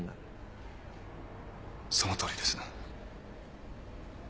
そのとおりです。